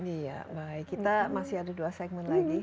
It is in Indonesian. iya baik kita masih ada dua segmen lagi